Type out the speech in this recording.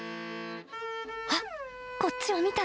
あっ、こっちを見た。